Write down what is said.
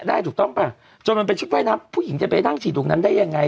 ได้ถูกต้องป่ะจนมันเป็นชุดว่ายน้ำผู้หญิงจะไปนั่งฉีดตรงนั้นได้ยังไง